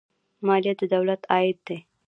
مالیه د دولت عاید دی